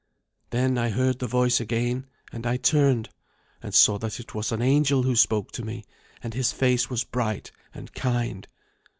"Then I heard the voice again, and I turned, and saw that it was an angel who spoke to me, and his face was bright and kind.